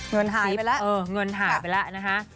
เงินหายไปแล้วเงินหายไปแล้วนะคะ